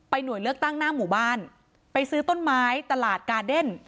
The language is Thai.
หน่วยเลือกตั้งหน้าหมู่บ้านไปซื้อต้นไม้ตลาดกาเดน